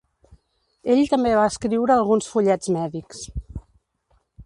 Ell també va escriure alguns fullets mèdics.